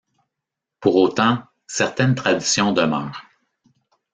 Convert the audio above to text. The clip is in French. Pour autant, certaines traditions demeurent.